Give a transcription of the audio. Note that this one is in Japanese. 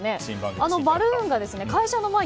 あのバルーンが会社の前に。